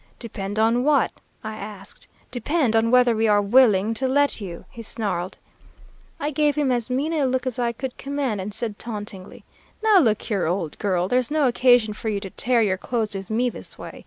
"'Depend on what?' I asked. "'Depend on whether we are willing to let you,' he snarled. "I gave him as mean a look as I could command and said tauntingly, 'Now, look here, old girl: there's no occasion for you to tear your clothes with me this way.